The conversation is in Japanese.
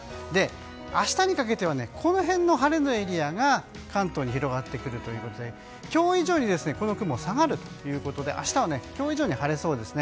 明日にかけてはこの辺の晴れのエリアが関東に広がってくるということで今日以上に雲が下がるので明日は今日以上に晴れそうです。